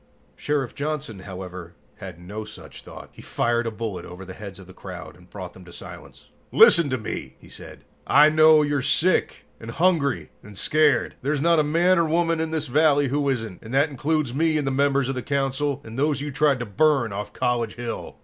Sheriff Johnson, however, had no such thought. He fired a bullet over the heads of the crowd and brought them to silence. "Listen to me," he said. "I know you're sick and hungry and scared. There's not a man or woman in this valley who isn't, and that includes me and the members of the Council, and those you tried to burn off College Hill.